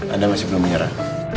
anda masih belum menyerah